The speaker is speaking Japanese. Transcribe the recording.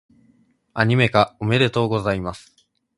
アニメ化、おめでとうございます！